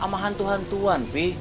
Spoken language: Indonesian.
sama hantu hantuan pi